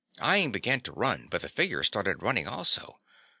Ian began to run but the figure started running also.